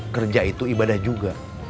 kerja itu ibadah juga